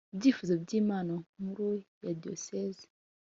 ibyifuzo by inama nkuru ya diyoseze